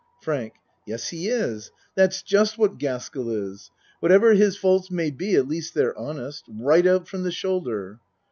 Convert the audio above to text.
FRAVK Yes he is. That's just what Gaskell is. Whatever his faults may be at least they're honest, right out from the shoulder!